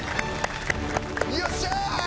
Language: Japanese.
よっしゃー！